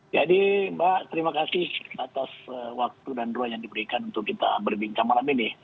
jadi mbak terima kasih atas waktu dan ruang yang diberikan untuk kita berbincang malam ini